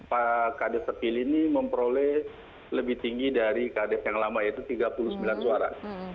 pak kadet terpilih ini memperoleh lebih tinggi dari kadet yang lama yaitu tiga puluh sembilan suara